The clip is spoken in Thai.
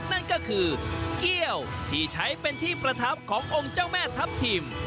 นั่นก็คือเกี้ยวที่ใช้เป็นที่ประทับขององค์เจ้าแม่ทัพทิม